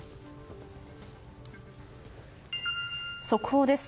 速報です。